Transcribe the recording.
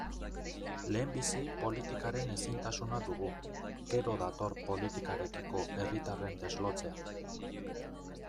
Lehenbizi politikaren ezintasuna dugu, gero dator politikarekiko herritarren deslotzea.